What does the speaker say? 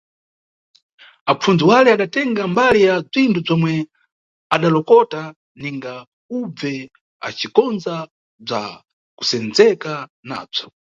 Apfundzi wale adatenga mbali ya bzinthu bzomwe adalokota ninga ubve acikondza bza kusendzeka nabzo.